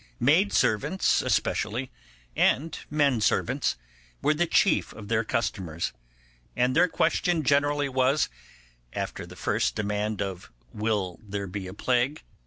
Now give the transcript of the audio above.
Maid servants especially, and men servants, were the chief of their customers, and their question generally was, after the first demand of 'Will there be a plague?